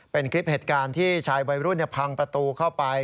เป็นคลิปเหตุการณ์ที่ชายวัยรุ่นพังประตูเข้าไป